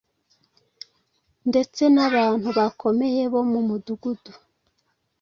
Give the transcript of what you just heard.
ndetse n’abantu bakomeye bo mu mudugudu,